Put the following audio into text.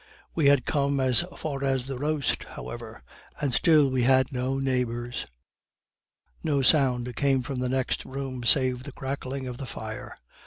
We had come as far as the roast, however, and still we had no neighbors; no sound came from the next room save the crackling of the fire.